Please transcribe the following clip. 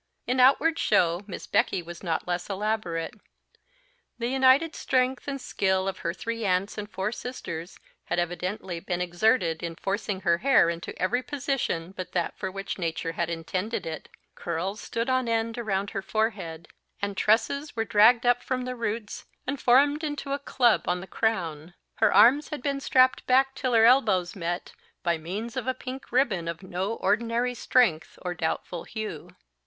In outward show Miss Becky was not less elaborate; the united strength and skill of her three aunts and four sisters had evidently been exerted in forcing her hair into every position but that for which nature had intended it; curls stood on end around her forehead, and tresses were dragged up from the roots, and formed into a club on the crown; her arms had been strapped back till her elbows met, by means of a pink ribbon of no ordinary strength or doubtful hue.